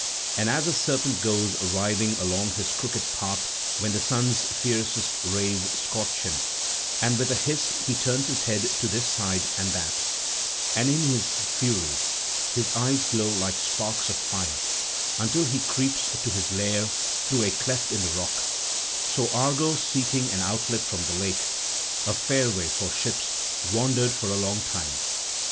And as a serpent goes writhing along his crooked path when the sun's fiercest rays scorch him; and with a hiss he turns his head to this side and that, and in his fury his eyes glow like sparks of fire, until he creeps to his lair through a cleft in the rock; so Argo seeking an outlet from the lake, a fairway for ships, wandered for a long time.